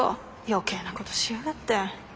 余計なことしやがって。